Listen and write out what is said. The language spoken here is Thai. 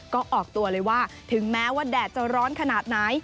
ก็ออกตัวเลยว่าถึงแม้ว่าแดดจะร้อนขนาดไหน